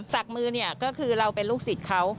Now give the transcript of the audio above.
สักมือก็คือเราเป็นลูกศิษย์เขา